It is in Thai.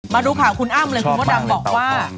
มาดูข่าวคุณอ้ำเลยคุณมดดำบอกว่า